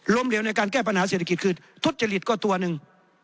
เหลวในการแก้ปัญหาเศรษฐกิจคือทุจริตก็ตัวหนึ่ง